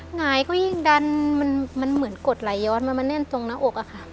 หงายก็ยิ่งดันมันเหมือนกดไหลย้อนมันมาแน่นตรงหน้าอกอะค่ะ